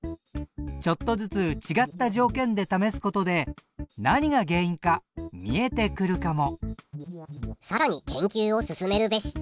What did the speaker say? ちょっとずつ違った条件で試すことで何が原因か見えてくるかも！